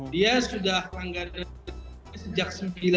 dia sudah langganan sejak seribu sembilan ratus sembilan puluh delapan